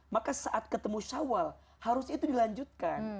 maka saat ketemu syawal harus itu dilanjutkan